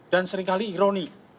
dan seringkali ironi